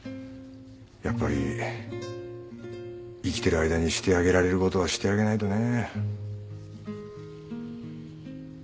やっぱり生きてる間にしてあげられることはしてあげないとね。